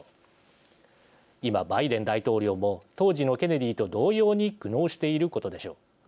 今バイデン大統領も当時のケネディと同様に苦悩していることでしょう。